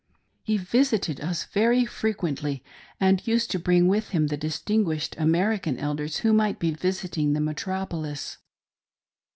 He visited us very frequently, and used to bring with him the distinguished American Elders who might be visiting the metropolis.